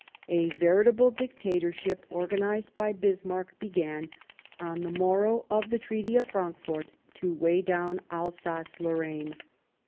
A veritable dictatorship, organized by Bismarck, began, on the morrow of the Treaty of Frankfort, to weigh down Alsace Lorraine.